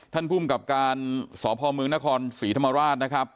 ท่านผู้อุ่มกับการสพมศรีธรรมราชนะครับ